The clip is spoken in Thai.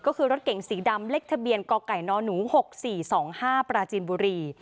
ก็คือรถเก่งสีดำเล็กทะเบียนกไก่นหนู๖๔๒๕ปราจีนบุรี